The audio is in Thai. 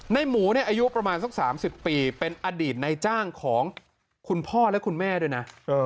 หมูเนี่ยอายุประมาณสัก๓๐ปีเป็นอดีตในจ้างของคุณพ่อและคุณแม่ด้วยนะ